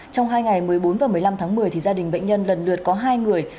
trong hai ngày một mươi bốn và một mươi năm tháng một mươi gia đình bệnh nhân lần lượt có hai người